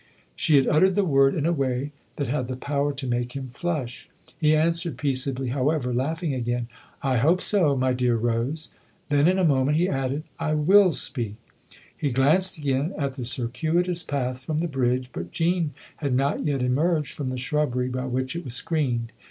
She had uttered the word in a way that had the power to make him flush. He answered peaceably, however, laughing again :" I hope so, my dear Rose !" Then in a moment he added :" I will speak." He THE OTHER HOUSE 161 glanced again at the circuitous path from the bridge, but Jean had not yet emerged from the shrubbery by which it was screened.